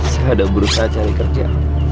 saya ada berusaha cari kerja